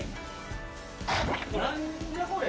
何じゃこれ？